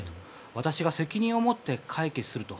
私が責任を持って解決すると。